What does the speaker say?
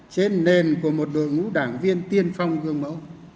trên nền của một đội ngũ đảng viên tiên phong gương mẫu